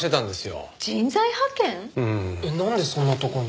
えっなんでそんなとこに？